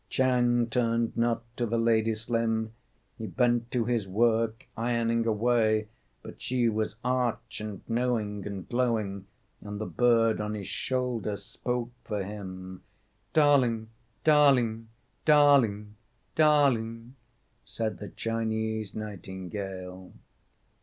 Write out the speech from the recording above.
Chang turned not to the lady slim He bent to his work, ironing away; But she was arch, and knowing and glowing, And the bird on his shoulder spoke for him. "Darling ... darling ... darling ... darling ..." Said the Chinese nightingale.